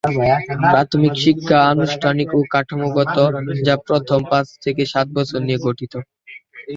প্রাথমিক শিক্ষা আনুষ্ঠানিক ও কাঠামোগত যা প্রথম পাঁচ থেকে সাত বছর নিয়ে গঠিত।